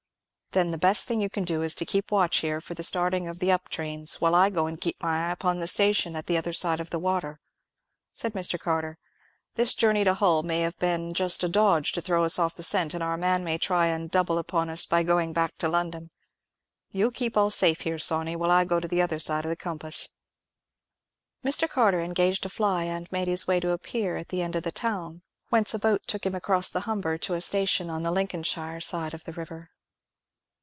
"Then the best thing you can do is to keep watch here for the starting of the up trains, while I go and keep my eye upon the station at the other side of the water," said Mr. Carter, "This journey to Hull may have been just a dodge to throw us off the scent, and our man may try and double upon us by going back to London. You'll keep all safe here, Sawney, while I go to the other side of the compass." Mr. Carter engaged a fly, and made his way to a pier at the end of the town, whence a boat took him across the Humber to a station on the Lincolnshire side of the river.